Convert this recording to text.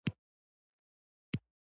حالت داسې و چې زیات اخیستل ممکن نه وو.